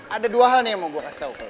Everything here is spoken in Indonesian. ada dua hal nih yang mau gue kasih tau